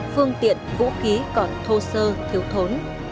phương tiện vũ khí còn thô sơ thiếu thốn